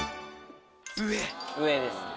上ですね。